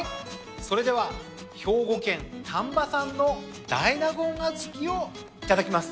それでは兵庫県丹波産の大納言小豆をいただきます。